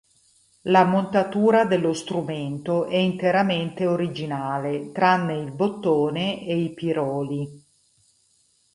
La montatura dello strumento è interamente originale, tranne il bottone e i piroli.